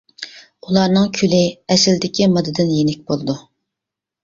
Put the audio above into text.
ئۇلارنىڭ كۈلى ئەسلىدىكى ماددىدىن يېنىك بولىدۇ.